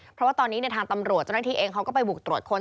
เพราะว่าตอนนี้ทางตำรวจเจ้าหน้าที่เองเขาก็ไปบุกตรวจค้น